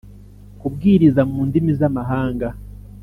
Kubwiriza mu ndimi z amahanga